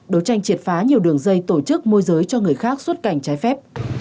đấu tranh triệt phá nhiều đường dây tổ chức môi giới cho người khác xuất cảnh trái phép